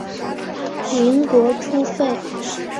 民国初废。